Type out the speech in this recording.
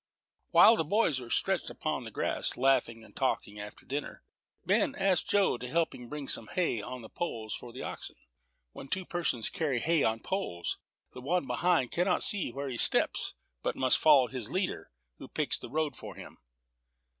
While the boys were stretched upon the grass, laughing and talking after dinner, Ben asked Joe to help him bring some hay on the poles for the oxen. When two persons carry hay on poles, the one behind cannot see where he steps, but must follow his leader, who picks the road for him.